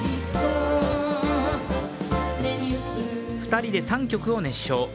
２人で３曲を熱唱。